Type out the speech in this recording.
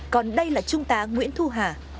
còn đây là trung tá nguyễn thu hà